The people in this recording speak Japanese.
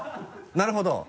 なるほど。